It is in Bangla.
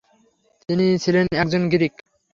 তিনি ছিলেন একজন গ্রিক।